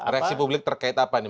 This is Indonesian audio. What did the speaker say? reaksi publik terkait apa nih